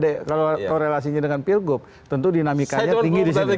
kalau korelasinya dengan pilgub tentu dinamikanya tinggi di situ